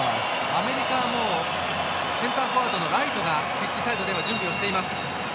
アメリカはもうセンターフォワードのライトがピッチサイドでは準備をしています。